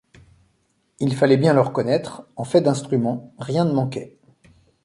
Il fallait bien le reconnaître, en fait d’instruments, rien ne manquait.